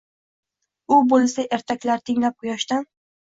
U bo’lsa, ertaklar tinglab quyoshdan